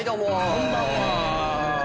こんばんは。